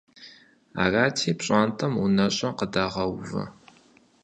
Арати, пщӀантӀэм унэщӀэ къыдагъэувэ.